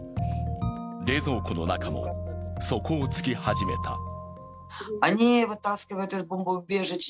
冷蔵庫の中も底をつき始めた。